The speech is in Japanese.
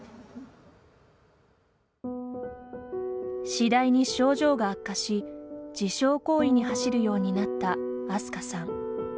次第に症状が悪化し自傷行為に走るようになったアスカさん。